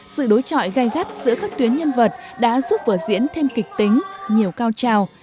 sự đối trọi gai gắt giữa các tuyến nhân vật đã giúp vở diễn thêm kịch tính nhiều cao trào